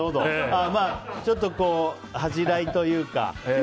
ちょっと恥じらいというかね。